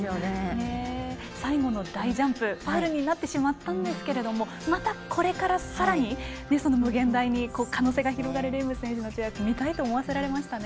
最後の大ジャンプファウルになりましたがまた、これからさらに無限大に可能性が広がるレーム選手の跳躍を見たいと思わされましたね。